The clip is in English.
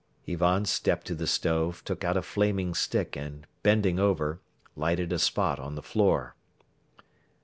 Ivan stepped to the stove, took out a flaming stick and, bending over, lighted a spot on the floor.